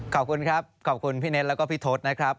ขอบคุณครับขอบคุณพี่เน็ตแล้วก็พี่ทศนะครับ